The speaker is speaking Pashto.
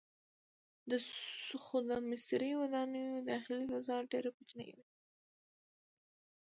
خو د مصري ودانیو داخلي فضا ډیره کوچنۍ وه.